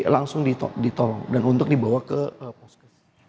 langsung ditolong dan untuk dibawa ke poskes